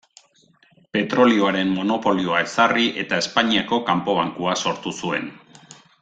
Petrolioaren monopolioa ezarri eta Espainiako Kanpo Bankua sortu zuen.